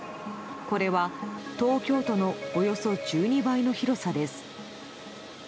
これは、東京都のおよそ１２倍の広さです。